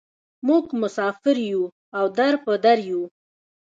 موږ مسافر یوو او در په در یوو.